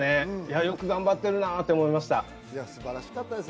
よく頑張ってるなと思いました。